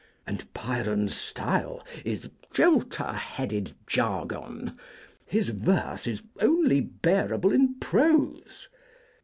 And Byron's style is 'jolter headed jargon;' His verse is 'only bearable in prose.'